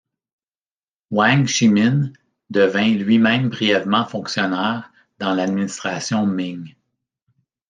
Wang Shimin devint lui-même brièvement fonctionnaire dans l'administration Ming.